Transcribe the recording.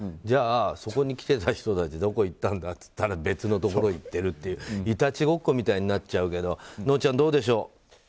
じゃあ、そこに来てた人たちどこ行ったんだっていったら別のところに行ってるといういたちごっこみたいになるけどのんちゃん、どうでしょう。